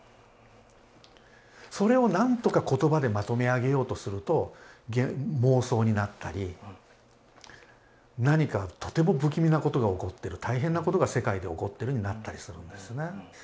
それを何とか言葉でまとめ上げようとすると妄想になったり「何かとても不気味なことが起こってる大変なことが世界で起こってる」になったりするんですね。